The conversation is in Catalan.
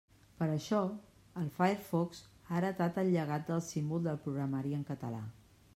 Per això, el Firefox ha heretat el llegat del símbol del programari en català.